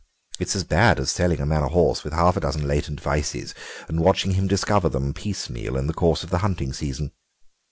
It's as bad as selling a man a horse with half a dozen latent vices and watching him discover them piecemeal in the course of the hunting season.